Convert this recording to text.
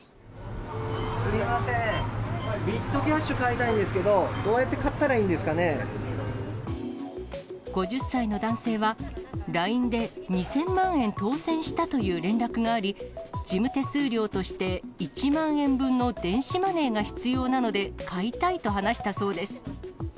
すみません、ビットキャッシュ買いたいんですけど、どうやって買ったらいいん５０歳の男性は、ＬＩＮＥで２０００万円当せんしたという連絡があり、事務手数料として１万円分の電子マネーが必要なので買いたいと話したそうです。